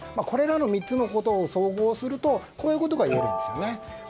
これらの３つのことを総合するとこういうことがいえるんですよね。